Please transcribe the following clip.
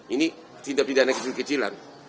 ini tindak pidana kecil kecilan